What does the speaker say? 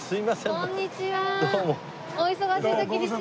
こんにちは。